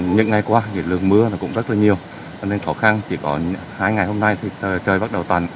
những ngày qua lượng mưa cũng rất là nhiều cho nên khó khăn chỉ có hai ngày hôm nay thì trời bắt đầu tằn